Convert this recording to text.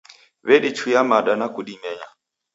W'edichuya mada na kudimenya.